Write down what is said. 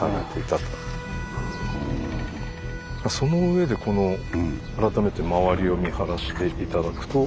そのうえでこの改めて周りを見晴らして頂くと。